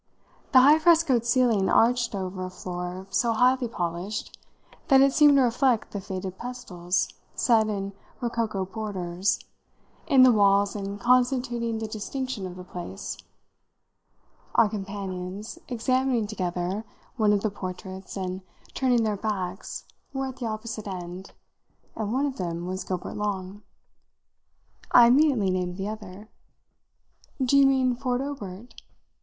The high frescoed ceiling arched over a floor so highly polished that it seemed to reflect the faded pastels set, in rococo borders, in the walls and constituting the distinction of the place. Our companions, examining together one of the portraits and turning their backs, were at the opposite end, and one of them was Gilbert Long. I immediately named the other. "Do you mean Ford Obert?"